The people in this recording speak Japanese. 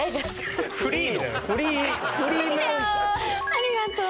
ありがとう。